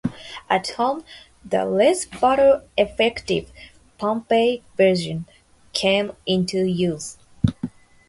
At home, the less battle-effective Pompeii version came into use.